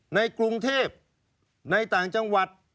ในกรุงเทพในต่างจังหวัด